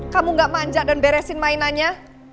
kamu gak manja dan beresin mainannya